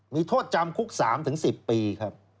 มีโทษจำคุก๓๑๐ปีครับ